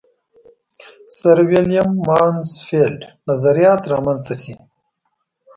سرویلیم مانسفیلډ نظریات را منځته شي.